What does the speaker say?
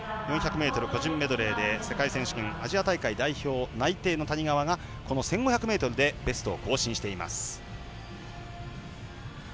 ４００ｍ個人メドレーで世界選手権アジア大会代表内定の谷川がこの１５００ｍでベストを更新しています。